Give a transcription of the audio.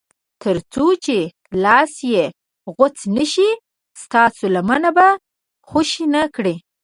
تر څو چې لاس یې غوڅ نه شي ستاسو لمنه به خوشي نه کړي.